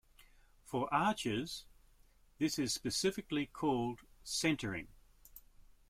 For arches, this is specifically called centering.